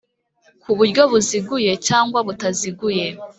kuburyo buziguye cyangwa butaziguye